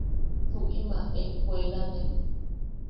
–Tuʼi ama ejkuelane.